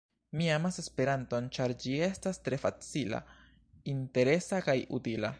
Mi amas Esperanton, ĉar ĝi estas tre facila, interesa kaj utila.